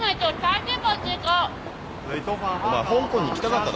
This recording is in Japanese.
はい。